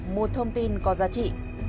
một thông tin có giá trị